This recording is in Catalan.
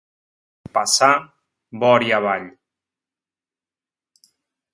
Passar Bòria avall.